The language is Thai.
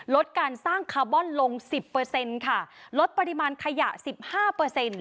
ลดการสร้างคาร์บอนลงสิบเปอร์เซ็นต์ค่ะลดปริมาณขยะสิบห้าเปอร์เซ็นต์